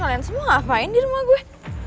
kalian semua ngapain di rumah gue